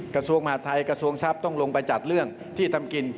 กระทรวงมหาดไทยกระทรวงทรัพย์ต้องลงไปจัดเรื่องที่ทำกิน